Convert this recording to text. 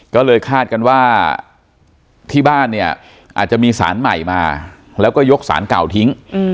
ก็เลยคาดกันว่าที่บ้านเนี่ยอาจจะมีสารใหม่มาแล้วก็ยกสารเก่าทิ้ง